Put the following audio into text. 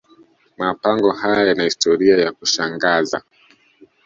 mapango haya yana historia ya kushangaza